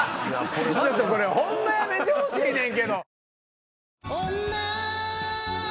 これホンマやめてほしいねんけど。